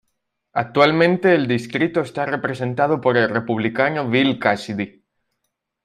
Actualmente el distrito está representado por el Republicano Bill Cassidy.